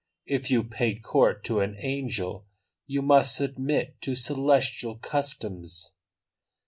If you pay court to an angel you must submit to celestial customs."